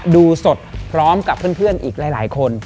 ดูสดพร้อมกับเพื่อนอีกหลายคน